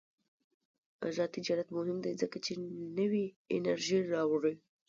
آزاد تجارت مهم دی ځکه چې نوې انرژي راوړي.